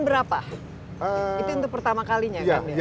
tahun berapa itu untuk pertama kalinya kan ya